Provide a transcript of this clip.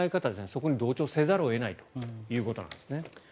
そこに同調せざるを得ないということなんですね。